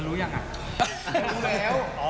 รู้ไม่ใช่